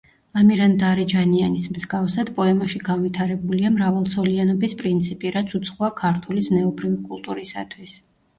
ამირანდარეჯანიანის მსგავსად, პოემაში განვითარებულია მრავალცოლიანობის პრინციპი, რაც უცხოა ქართული ზნეობრივი კულტურისათვის.